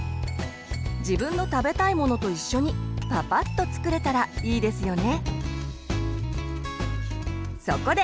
自分の食べたいものと一緒にパパッと作れたらいいですよね。